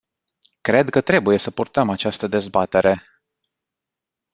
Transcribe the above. Cred că trebuie să purtăm această dezbatere.